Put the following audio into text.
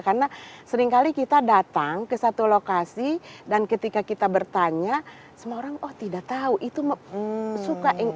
karena seringkali kita datang ke satu lokasi dan ketika kita bertanya semua orang oh tidak tahu itu suka